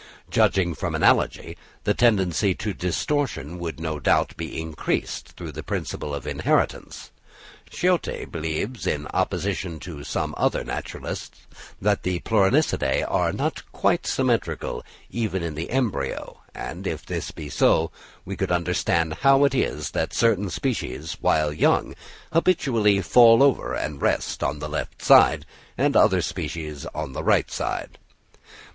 Judging from analogy, the tendency to distortion would no doubt be increased through the principle of inheritance. Schiödte believes, in opposition to some other naturalists, that the Pleuronectidæ are not quite symmetrical even in the embryo; and if this be so, we could understand how it is that certain species, while young, habitually fall over and rest on the left side, and other species on the right side.